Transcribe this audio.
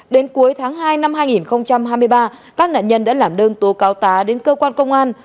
đến cuối tháng hai năm hai nghìn hai mươi ba các nạn nhân đã làm đơn tố cáo tá đến cơ quan công an